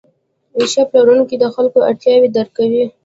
ښه پلورونکی د خلکو اړتیاوې درک کوي.